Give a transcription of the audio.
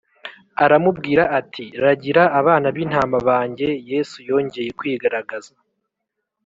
aramubwira ati ragira abana b intama banjye Yesu yongeye kwigaragaza